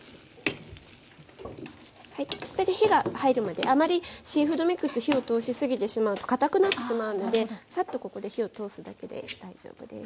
これで火が入るまであまりシーフードミックス火を通しすぎてしまうとかたくなってしまうのでさっとここで火を通すだけで大丈夫です。